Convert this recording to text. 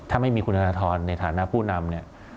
ถ้าไม่มีคุณธนาธรณ์ในฐานะผู้นำ